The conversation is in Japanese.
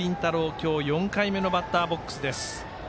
今日４回目のバッターボックス。